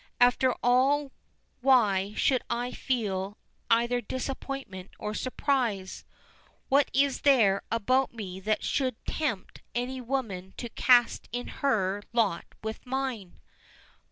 "After all why should I feel either disappointment or surprise? What is there about me that should tempt any woman to cast in her lot with mine?"